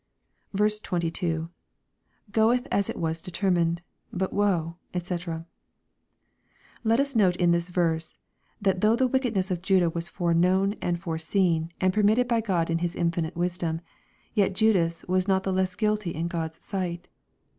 22. — [Gheth as it wot determined; btU woe^ (bcl Let us note in thit verse that though the wickedness of Judas was foreknown, and foreseen, and permitted by Grod in His infinite wisdom, — ^yet Ju das was not the less guilty in GK}d's sight.